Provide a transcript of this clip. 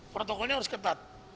protokolnya harus ketat